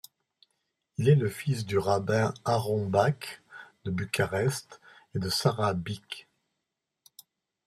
Il est le fils du rabbin Aron Back, de Bucarest, et de Sara Bick.